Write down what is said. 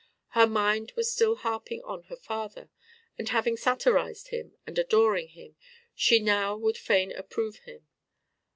Her mind was still harping on her father; and having satirized him, and adoring him, she now would fain approve him.